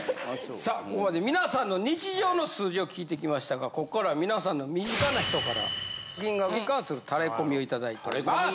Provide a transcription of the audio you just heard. さっここまで皆さんの日常の数字を聞いてきましたがここからは皆さんの身近な人から金額に関するタレコミを頂いております！